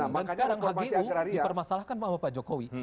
dan sekarang hgu dipermasalahkan oleh bapak jokowi